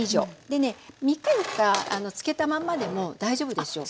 でね３日４日漬けたまんまでも大丈夫ですよ。